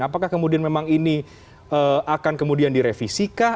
apakah kemudian memang ini akan kemudian direvisi kah